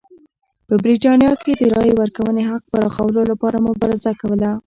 په برېټانیا کې یې د رایې ورکونې حق پراخولو لپاره مبارزه کوله.